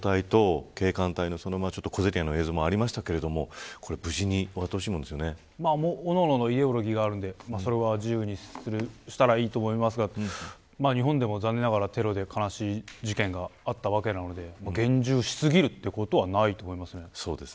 カズさん、今回のサミット先ほどデモ隊と警官隊との小競り合いの映像もありましたが無事に各々のイデオロギーがあるのでそれは自由にしたらいいと思いますが日本でも残念ながらテロで悲しい事件があったわけなので厳重すぎるということはないと思います。